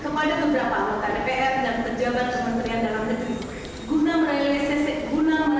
kepada beberapa anggota dpr dan pejabat pemerintahan dalam negeri